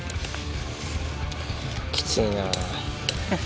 きついな。